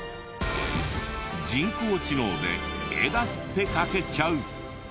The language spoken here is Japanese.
人工知能で絵だって描けちゃう！